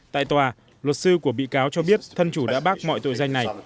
tại tòa luật sư của bị cáo cho biết thân chủ đã bác mọi tội danh này